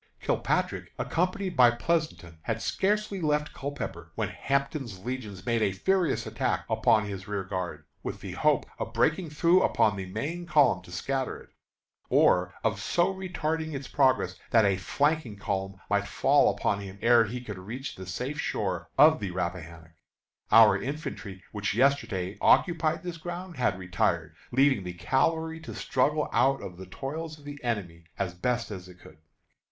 Kilpatrick, accompanied by Pleasonton, had scarcely left Culpepper, when Hampton's Legions made a furious attack upon his rearguard, with the hope of breaking through upon the main column to scatter it, or of so retarding its progress that a flanking column might fall upon him ere he could reach the safe shore of the Rappahannock. Our infantry, which yesterday occupied this ground, had retired, leaving the cavalry to struggle out of the toils of the enemy as best it could.